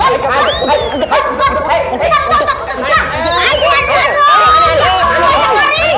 ya allah ya karim